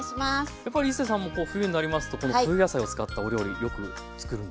やっぱり市瀬さんもこう冬になりますと冬野菜を使ったお料理よくつくるんですか？